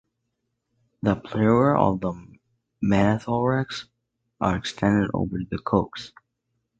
The pleura of the metathorax are extended over the coxae.